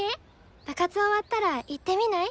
部活終わったら行ってみない？